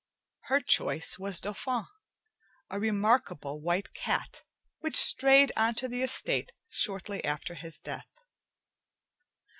Her choice was Dauphin, a remarkable white cat which strayed onto the estate shortly after his death.